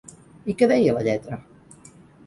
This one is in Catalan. I què deia la lletra?